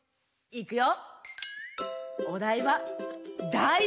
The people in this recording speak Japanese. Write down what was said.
いくよ！